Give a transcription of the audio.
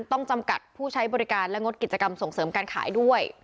จำกัดผู้ใช้บริการและงดกิจกรรมส่งเสริมการขายด้วย